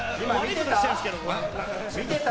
見てた？